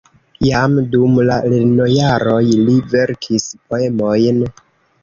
Jam dum la lernojaroj li verkis poemojn.